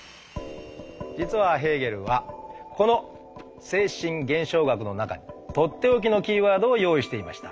実はヘーゲルはこの「精神現象学」の中に取って置きのキーワードを用意していました。